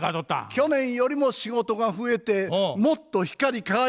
去年よりも仕事が増えてもっと光り輝くでしょう。